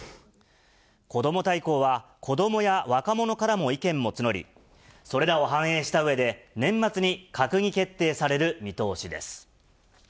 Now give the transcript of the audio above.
こども大綱は、子どもや若者からも意見を募り、それらを反映したうえで、年末に閣議決定される見通しです。